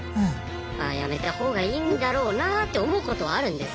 ああやめた方がいいんだろうなって思うことはあるんです。